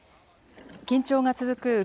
緊張が続く